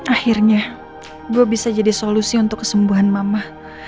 akhirnya gue bisa jadi solusi untuk kesembuhan mama